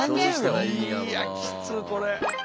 いやきつっこれ。